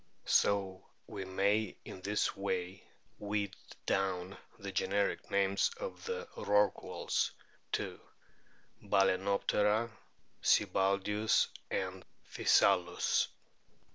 So we may in this way weed down the generic names of the Rorquals to Balcrnoptera, Sibbaldius, and Physalus.